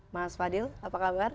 mas fadil apa kabar